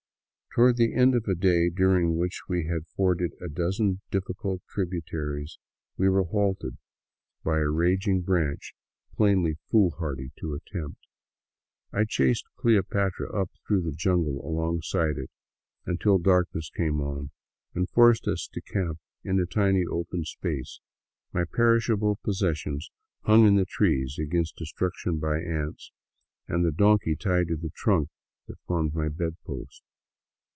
Toward the end of a day during which we had forded a dozen difficult tributaries, we were halted by a raging 2Z7 VAGABONDING DOWN THE ANDES branch, plainly foolhardy to attempt. I chased " Cleopatra " up through the jungle alongside it, until darkness came on and forced us to camp in a tiny open space, my perishable possessions hung in the trees against destruction by ants, and the donkey tied to the trunk that formed my bed post.